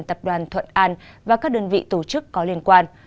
tập đoàn thuận an và các đơn vị tổ chức có liên quan